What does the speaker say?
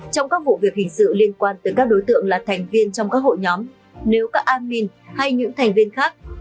trong các vụ việc hình sự liên quan tới các đối tượng là thành viên trong các hội nhóm nếu các amin hay những thành viên khác